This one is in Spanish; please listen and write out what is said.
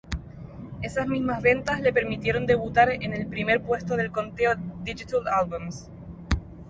Esas mismas ventas, le permitieron debutar en el primer puesto del conteo "Digital Albums".